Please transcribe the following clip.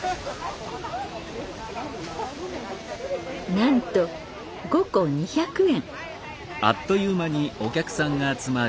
なんと５個２００円。